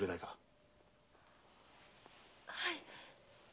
はい！